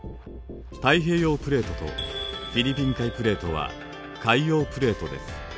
太平洋プレートとフィリピン海プレートは海洋プレートです。